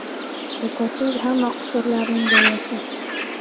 Bekorchilik – hamma qusurlarning doyasi.